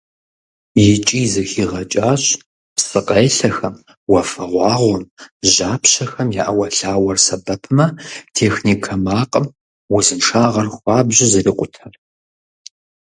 ИкӀи зэхигъэкӀащ псыкъелъэхэм, уафэгъуагъуэм, жьапщэхэм я Ӏэуэлъауэр сэбэпмэ, техникэ макъым узыншагъэр хуабжьу зэрикъутэр.